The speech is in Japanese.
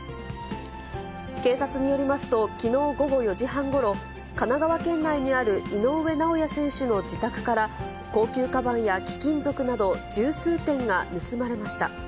警察によりますと、きのう午後４時半ごろ、神奈川県内にある井上尚弥選手の自宅から、高級かばんや貴金属など、十数点が盗まれました。